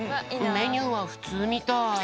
メニューはふつうみたい。